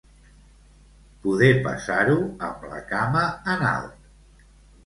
Poder passar-ho amb la cama en alt.